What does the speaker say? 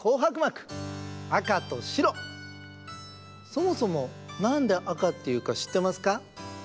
そもそもなんで赤っていうかしってますか？